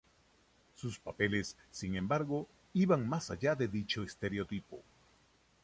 Sus papeles, sin embargo, iban más allá de dicho estereotipo.